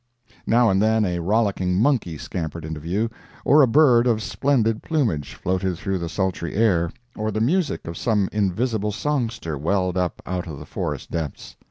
Now and then a rollicking monkey scampered into view, or a bird of splendid plumage floated through the sultry air, or the music of some invisible songster welled up out of the forest depths.